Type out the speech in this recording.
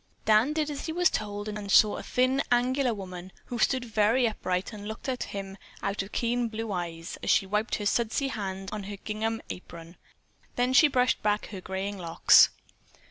Dan did as he was told and saw a thin, angular woman, who stood up very straight and looked at him out of keen blue eyes, as she wiped her sudsy hands on her gingham apron. Then she brushed back her graying locks.